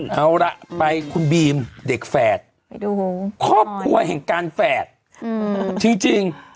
เอาล่ะไปคุณบีมเด็กแฝดครอบครัวแห่งการแฝดจริง